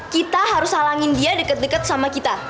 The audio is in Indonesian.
kita harus halangin dia deket deket sama kita